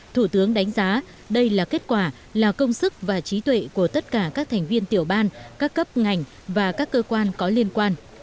thủ tướng đánh giá đây là kết quả là công sức và trí tuệ của tất cả các thành viên tiểu ban các cấp ngành và các cơ quan có liên quan